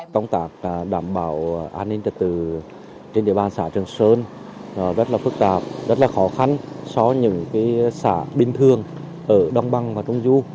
công tác đảm bảo an ninh trật tự trên địa bàn xã trường sơn rất là phức tạp rất là khó khăn so với những xã bình thường ở đồng bằng và trung du